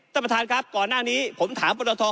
ท่านประธานครับก่อนหน้านี้ผมถามปรตท